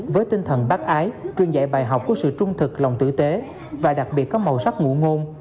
với tinh thần bác ái truyền dạy bài học của sự trung thực lòng tử tế và đặc biệt có màu sắc ngụ ngôn